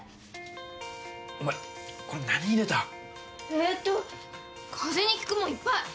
えっと風邪に効く物いっぱい。